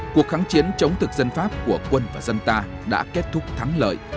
cuộc kháng chiến chống thực dân pháp của quân và dân ta đã kết thúc thắng lợi